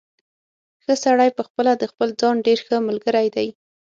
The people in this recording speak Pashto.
ښه سړی پخپله د خپل ځان ډېر ښه ملګری دی.